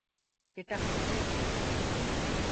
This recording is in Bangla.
এটা হচ্ছে কেক।